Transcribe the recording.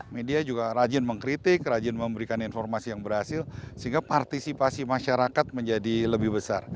media juga rajin mengkritik rajin memberikan informasi yang berhasil sehingga partisipasi masyarakat menjadi lebih besar